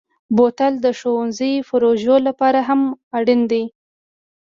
بوتل د ښوونځي پروژو لپاره هم اړین دی.